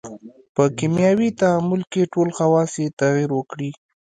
په کیمیاوي تعامل کې ټول خواص یې تغیر وکړي.